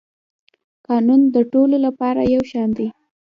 قانون د ټولو لپاره یو شان دی